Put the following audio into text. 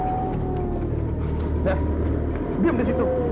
biar diam disitu